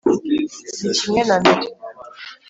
ni kimwe na mbere.